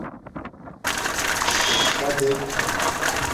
بݸقپݳ دݵک.